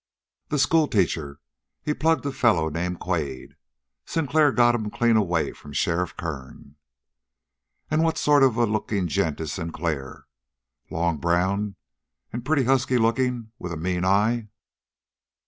"The schoolteacher he plugged a feller named Quade. Sinclair got him clean away from Sheriff Kern." "And what sort of a looking gent is Sinclair? Long, brown, and pretty husky looking, with a mean eye?"